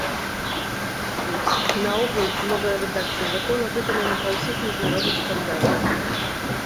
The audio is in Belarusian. Наогул, новая рэдакцыя закона выканана па ўсіх міжнародных стандартах.